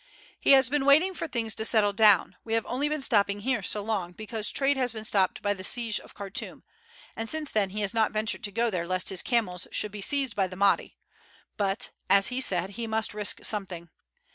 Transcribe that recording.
He has been waiting for things to settle down; we have only been stopping here so long because trade has been stopped by the siege of Khartoum, and since then he has not ventured to go there lest his camels should be seized by the Mahdi; but, as he said, he must risk something.